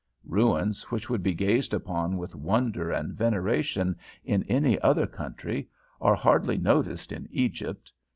Ruins which would be gazed upon with wonder and veneration in any other country are hardly noticed in Egypt.